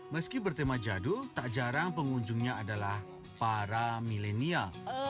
meski bertema jadul tak jarang pengunjungnya adalah para milenial